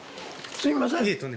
すいません